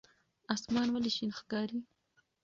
اسمان ولې شین ښکاري؟